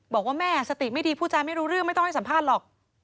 บอกว่าแม่สติไม่ดีผู้จาไม่รู้เรื่องไม่ต้องให้สัมภาษณ์หรอก